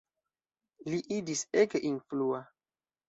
Li iĝis ege influa.